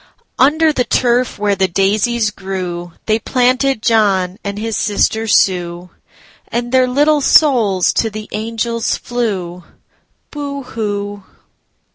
Under the turf where the daisies grewThey planted John and his sister Sue, And their little souls to the angels flew,—Boo hoo!